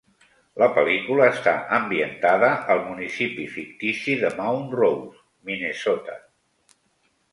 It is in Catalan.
La pel·lícula està ambientada al municipi fictici de Mount Rose, Minnesota.